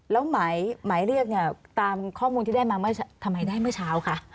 แล้วหมายเรียกเนี่ยตามข้อมูลที่ได้มาทำไมได้เมื่อเช้าคะ